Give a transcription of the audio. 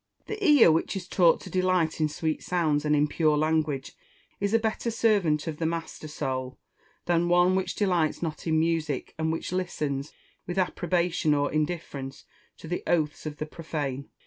The Ear, which is taught to delight in sweet sounds, and in pure language, is a better servant of the master Soul, than one which delights not in music, and which listens, with approbation or indifference, to the oaths of the profane.